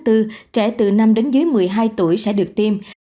trẻ từ năm đến dưới một mươi hai tuổi sẽ được tiêm